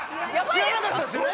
知らなかったですよね？